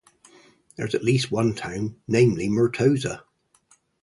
There is at least one town, namely Murtosa.